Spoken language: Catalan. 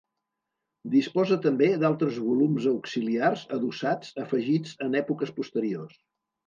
Disposa també d'altres volums auxiliars adossats afegits en èpoques posteriors.